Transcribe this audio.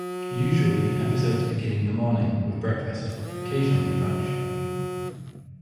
Usually episodes begin in the morning with breakfast, occasionally brunch.